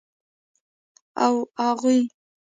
او اغوئ.